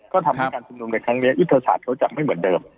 ก็ทำให้การชุมนุมในครั้งนี้ยุทธศาสตร์เขาจะไม่เหมือนเดิม